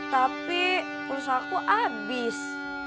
tapi usahaku abis